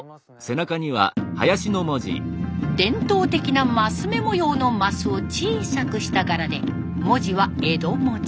伝統的な升目模様の升を小さくした柄で文字は江戸文字。